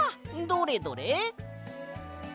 どれどれ？